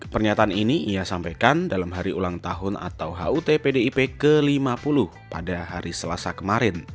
pernyataan ini ia sampaikan dalam hari ulang tahun atau hut pdip ke lima puluh pada hari selasa kemarin